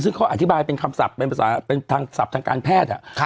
ซึ่งเขาอธิบายเป็นคำศัพท์เป็นภาษาเป็นทางศัพท์ทางการแพทย์